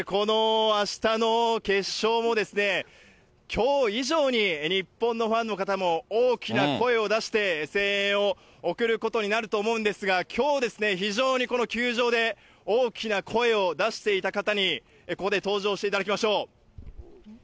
あしたの決勝も、きょう以上に日本のファンの方も大きな声を出して声援を送ることになると思うんですが、きょう、非常にこの球場で大きな声を出していた方に、ここで登場していただきましょう。